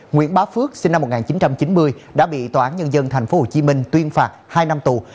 nguyễn bá phước sinh năm một nghìn chín trăm chín mươi đã bị tòa án nhân dân tp hcm tuyên phạt hai năm tù